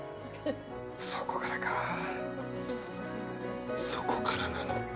そこからか、そこからなのか。